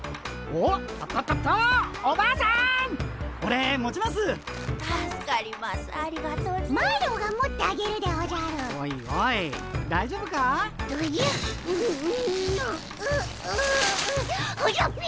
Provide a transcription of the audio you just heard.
おじゃび！